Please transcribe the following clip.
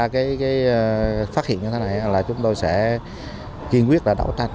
những cái phát hiện như thế này là chúng tôi sẽ kiên quyết là đẩu thành